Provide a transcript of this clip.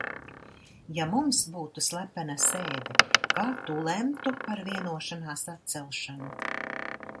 Ja mums būtu slepena sēde, kā tu lemtu par vienošanās atcelšanu?